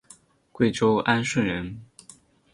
贵州安顺人。